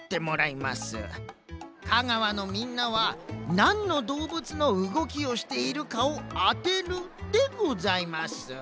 香川のみんなはなんのどうぶつのうごきをしているかをあてるでございます。